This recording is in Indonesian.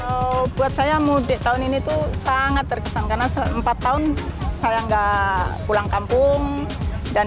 kalau buat saya mudik tahun ini tuh sangat terkesan karena empat tahun saya enggak pulang kampung dan